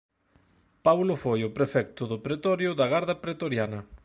Paulo foi o Prefecto do pretorio da Garda Pretoriana.